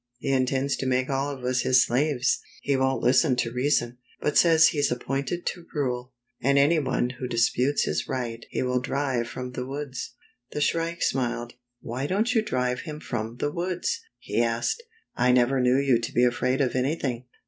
He intends to make all of us his slaves. He won't listen to reason, but says he's appointed to rule, and any one who disputes his right he will drive from the woods." The Shrike smiled. "Why don't you drive him from the woods? " he asked. " I never knew you to be afraid of anything.